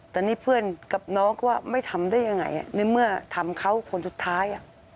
แต่นี่เพื่อนกับน้องก็ไม่ทำได้ยังไงในเมื่อทำเขาคนสุดท้าย